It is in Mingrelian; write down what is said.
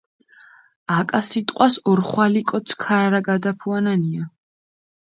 აკა სიტყვას ორხვალი კოც ქაარაგადაფუანანია.